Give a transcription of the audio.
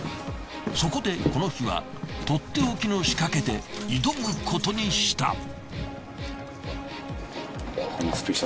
そこでこの日はとっておきの仕掛けで挑むことにした。